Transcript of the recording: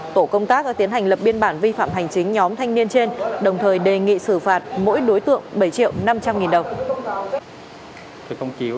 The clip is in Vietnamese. tổ công tác đã tiến hành lập biên bản vi phạm hành chính nhóm thanh niên trên đồng thời đề nghị xử phạt mỗi đối tượng bảy triệu năm trăm linh nghìn đồng